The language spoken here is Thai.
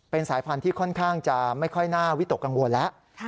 เป็นสายพันธุ์ที่ค่อนข้างจะไม่ค่อยน่าวิตกกังวลแล้ว